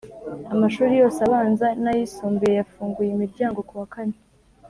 Amashuri yose abanza n ayisumbuye yafunguye imiryango ku wa kane